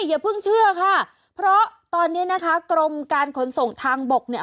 อย่าเพิ่งเชื่อค่ะเพราะตอนนี้นะคะกรมการขนส่งทางบกเนี่ย